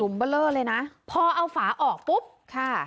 หลุมเบลอเลยนะพอเอาฝาออกปุ๊บค่ะ